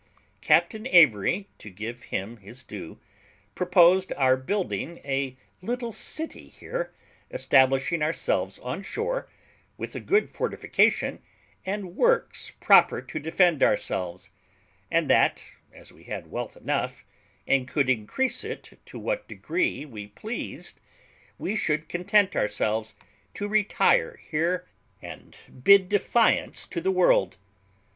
Captain Avery, to give him his due, proposed our building a little city here, establishing ourselves on shore, with a good fortification and works proper to defend ourselves; and that, as we had wealth enough, and could increase it to what degree we pleased, we should content ourselves to retire here, and bid defiance to the world.